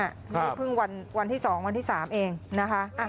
นี่เพิ่งวันที่๒วันที่๓เองนะคะ